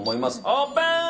オープン！